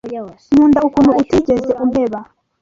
nkunda ukuntu utigeze umpeba